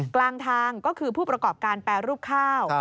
กลางทางก็คือผู้ประกอบการแปรรูปข้าว